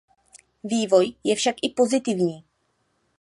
Vývoj je však i pozitivní.